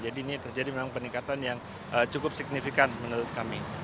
jadi ini terjadi memang peningkatan yang cukup signifikan menurut kami